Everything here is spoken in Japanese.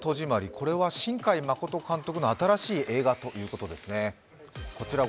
これは新海誠監督の新しい映画ということです。